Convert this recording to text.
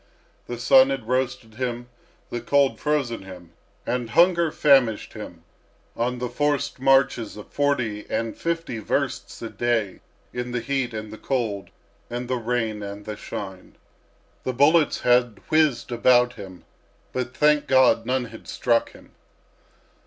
The sun had roasted him, the cold frozen him, and hunger famished him on the forced marches of forty and fifty versts a day in the heat and the cold and the rain and the shine. The bullets had whizzed about him, but, thank God! none had struck him.